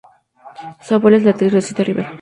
Su abuela es la actriz Rosita Rivera.